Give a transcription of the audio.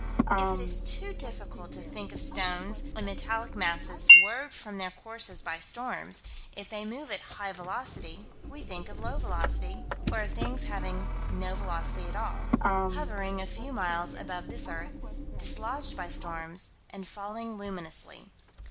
If it is too difficult to think of stones and metallic masses swerved from their courses by storms, if they move at high velocity, we think of low velocity, or of things having no velocity at all, hovering a few miles above this earth, dislodged by storms, and falling luminously.